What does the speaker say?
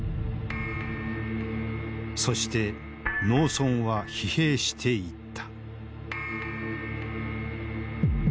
そして農村は疲弊していった。